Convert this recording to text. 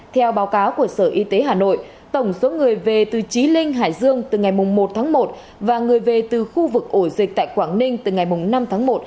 theo báo cáo của sở y tế hà nội tổng số người về từ trí linh hải dương từ ngày một tháng một và người về từ khu vực ổ dịch tại quảng ninh từ ngày năm tháng một